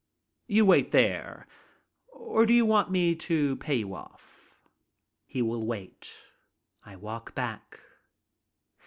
"You wait there, or do you want me to pay you off?" He will wait. I walk back.